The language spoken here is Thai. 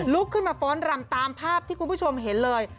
ลุกขึ้นมาฟ้อนรำตามภาพที่คุณผู้ชมเห็นเลย